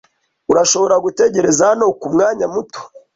Urashobora gutegereza hano kumwanya muto.